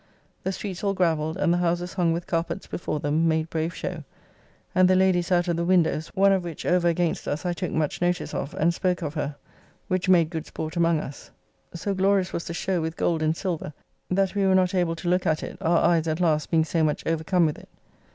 The streets all gravelled, and the houses hung with carpets before them, made brave show, and the ladies out of the windows, one of which over against us I took much notice of, and spoke of her, which made good sport among us. So glorious was the show with gold and silver, that we were not able to look at it, our eyes at last being so much overcome with it.